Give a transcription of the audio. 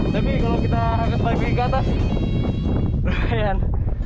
tapi kalau kita hakat balik ke atas lumayan